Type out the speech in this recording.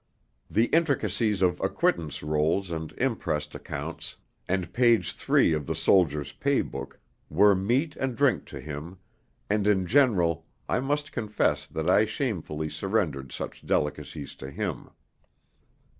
The intricacies of Acquittance Rolls and Imprest Accounts, and page 3 of the Soldier's Pay Book, were meat and drink to him, and in general I must confess that I shamefully surrendered such delicacies to him.